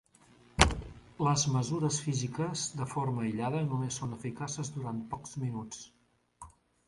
Les mesures físiques de forma aïllada només són eficaces durant pocs minuts.